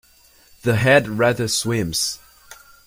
The head rather swims.